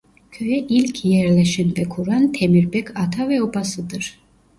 Köye ilk yerleşen ve kuran Temirbek Ata ve obasıdır.